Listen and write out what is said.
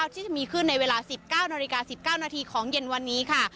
ที่จะมีขึ้นในเวลา๑๙นาฬิกา๑๙นาทีของเย็นวันนี้ค่ะ